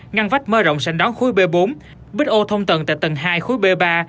ngăn vách mơ rộng sảnh đón khối b bốn bứt ô thông tận tại tầng hai khối b ba